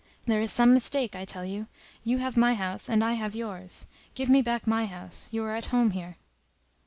There is some mistake, I tell you; you have my house, and I have yours. Give me back my house; you are at home here."